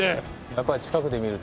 やっぱり近くで見ると。